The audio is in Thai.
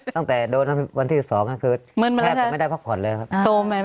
ตั้งแต่วันที่สองคือแคบก็ไม่ได้พักผ่อนเลยครับ